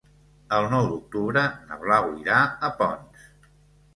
El nou d'octubre na Blau irà a Ponts.